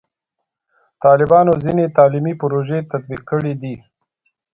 طالبانو ځینې تعلیمي پروژې تطبیق کړي دي.